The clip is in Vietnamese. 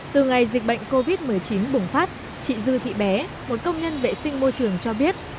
từ ngày dịch bệnh covid một mươi chín bùng phát chị dư thị bé một công nhân vệ sinh môi trường cho biết